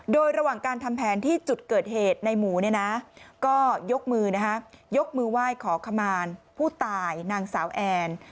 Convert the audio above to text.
โดยระหว่างการทำแผนที่จุดเกิดเหตุในหมูเนี่ยนะก็ยกมือนะฮะยกมือไหว้ขอขมารผู้ตายนางสาวแอน